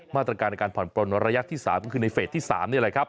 มาตรการในการผ่อนปลนระยะที่๓ก็คือในเฟสที่๓นี่แหละครับ